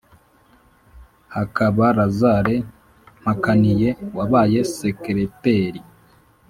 hakaba lazare mpakaniye wabaye secrétaire